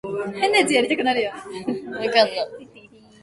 三人とも何も言わず、一斗缶を見つめていた